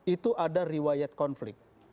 itu ada riwayat konflik